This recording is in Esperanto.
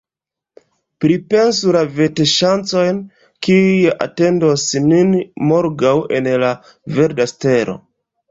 Pripensu la vetŝancojn, kiuj atendos nin morgaŭ en La Verda Stelo!